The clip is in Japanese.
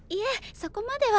そこまでは。